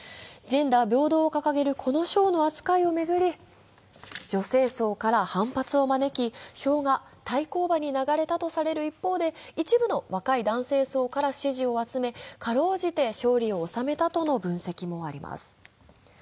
ジェンダー平等を掲げるこの省の扱いを巡り女性層から反発を招き、票が対抗馬に流れたとされる一方で一部の若い男性層から支持を集め、辛うじて勝利を収めたとの分析もあります。